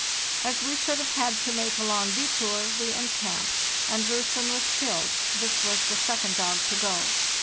As we should have had to make a long detour, we encamped, and ' Russen' was killed (this was the second dog to go).